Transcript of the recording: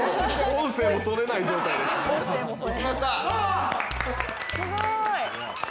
音声も録れない状態です。